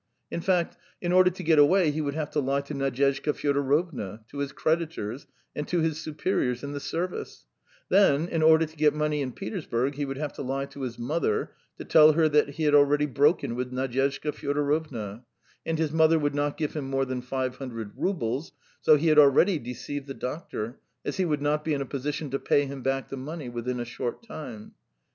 In fact, in order to get away he would have to lie to Nadyezhda Fyodorovna, to his creditors, and to his superiors in the Service; then, in order to get money in Petersburg, he would have to lie to his mother, to tell her that he had already broken with Nadyezhda Fyodorovna; and his mother would not give him more than five hundred roubles, so he had already deceived the doctor, as he would not be in a position to pay him back the money within a short time.